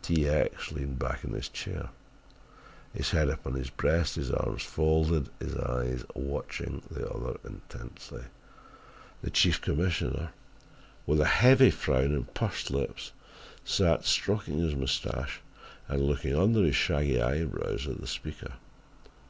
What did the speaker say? T. X. leaned back in his chair, his head upon his breast, his arms folded, his eyes watching the other intently. The Chief Commissioner, with a heavy frown and pursed lips, sat stroking his moustache and looking under his shaggy eyebrows at the speaker.